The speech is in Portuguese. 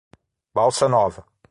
Balsa Nova